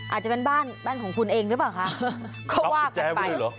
อาจจะเป็นบ้านบ้านของคุณเองหรือเปล่าคะก็ว่ากันไป